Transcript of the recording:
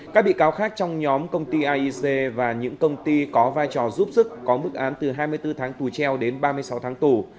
các bị cáo khác trong nhóm công ty aic và những công ty có vai trò giúp sức có mức án từ hai mươi bốn tháng tù treo đến ba mươi sáu tháng tù